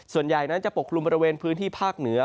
ส่วนใหญ่นั้นจะปกคลุมบริเวณพื้นที่ภาคเหนือ